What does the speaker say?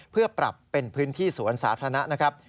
เพื่อปรับเป็นพื้นที่สวนสาธารณะนะครับ